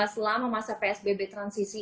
selama masa psbb transisi